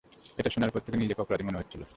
এটা শোনার পর থেকে নিজেকে অপরাধী মনে হচ্ছিল।